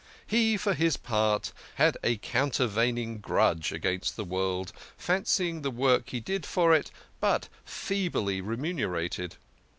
He, for his part, had a countervailing grudge against the world, fancying the work he did for it but feebly remunerated.